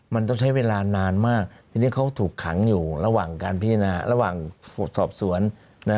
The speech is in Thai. มันต้องใช้เวลานานมากทีนี้เขาถูกขังอยู่ระหว่างการพิจารณาระหว่างสอบสวน